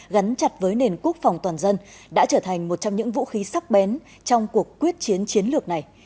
gắn chặt với nền quốc phòng toàn dân đã trở thành một trong những vũ khí sắc bén trong cuộc quyết chiến chiến lược này